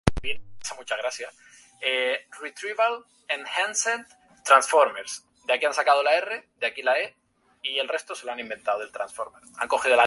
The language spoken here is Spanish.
La carroza era un carruaje de lujo para transporte de la clase más acomodada.